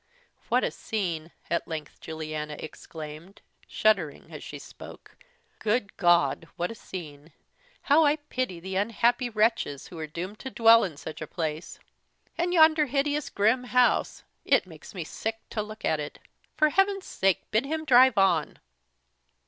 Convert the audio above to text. "What a scene!" at length Lady Juliana exclaimed, shuddering as she spoke. "Good God, what a scene! How I pity the unhappy wretches who are doomed to dwell in such a place! and yonder hideous grim house it makes me sick to look at it. For Heaven's sake, bid him drive on."